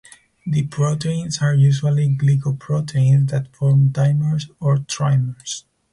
The proteins are usually glycoproteins that form dimers or trimers.